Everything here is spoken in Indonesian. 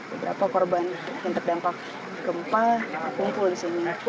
beberapa korban yang terdampak gempa kumpul di sini